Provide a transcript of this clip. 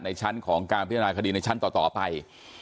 ชั้นของการพิจารณาคดีในชั้นต่อไป